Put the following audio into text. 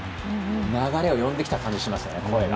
流れを呼んできた感じがしましたね、声が。